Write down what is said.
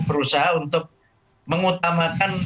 berusaha untuk mengutamakan